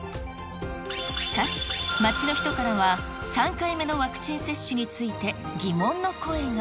しかし、街の人からは３回目のワクチン接種について、疑問の声が。